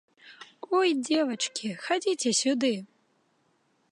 Ой, дзевачкі, хадзіце сюды!